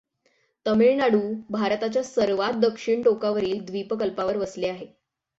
तमिळनाडू भारताच्या सर्वात दक्षिणटोकावरील द्वीपकल्पावर वसले आहे.